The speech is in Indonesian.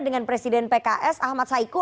dengan presiden pks ahmad saiku